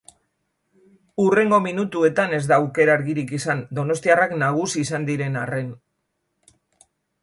Hurrengo minutuetan ez da aukera argirik izan, donostiarrak nagusi izan diren arren.